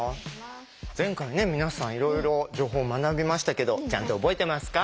前回ね皆さんいろいろ情報学びましたけどちゃんと覚えてますか？